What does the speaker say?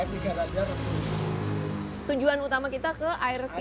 tujuan utama kita ke r tiga